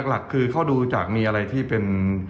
หลักคือเขาดูจากมีอะไรที่เป็น